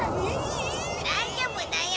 大丈夫だよ。